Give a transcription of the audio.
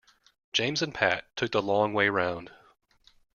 James and Pat took the long way round.